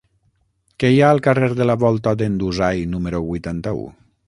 Què hi ha al carrer de la Volta d'en Dusai número vuitanta-u?